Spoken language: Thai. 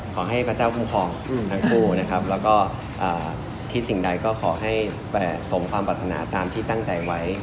พระเจ้าคุ้มครองทั้งคู่นะครับแล้วก็คิดสิ่งใดก็ขอให้สมความปรัฐนาตามที่ตั้งใจไว้